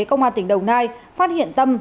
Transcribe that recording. công an tỉnh đồng nai phát hiện tâm